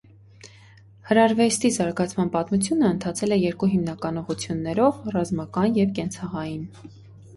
Հրարվեստի զարգացման պատմությունը ընթացել է երկու հիմնական ուղղություններով՝ ռազմական և «կենցաղային»։